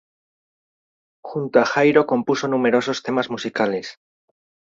Junto a Jairo compuso numerosos temas musicales.